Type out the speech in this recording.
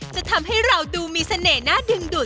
จะทำให้เราดูมีเสน่ห์น่าดึงดูด